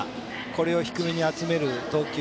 これを低めに集める投球。